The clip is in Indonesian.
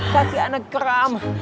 kaki anak keram